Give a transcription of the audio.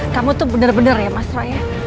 kamu tuh bener bener ya mas roy ya